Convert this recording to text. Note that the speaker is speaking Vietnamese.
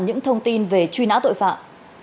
những thông tin về truy nã tội phạm